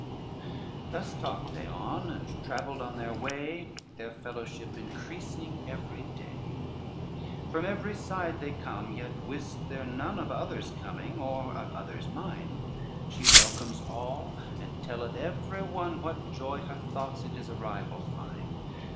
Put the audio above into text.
Thus talked they on, and travelled on their way Their fellowship increasing every day. LXXXV From every side they come, yet wist there none Of others coming or of others' mind, She welcomes all, and telleth every one, What joy her thoughts in his arrival find.